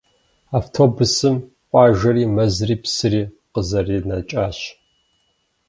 Автобусым къуажэри, мэзри, псыри къызэринэкӏащ.